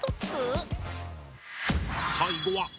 最後はお！